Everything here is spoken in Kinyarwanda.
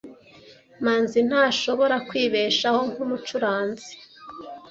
Manzi ntashobora kwibeshaho nkumucuranzi.